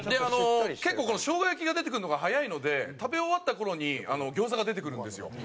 結構このしょうが焼きが出てくるのが早いので食べ終わった頃に餃子が出てくるんですよ。